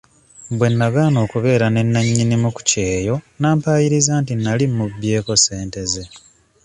Bwe nagaana okubeera ne nannyimu ku kyeyo n'ampayiriza nti nali mubbyeko ssente ze.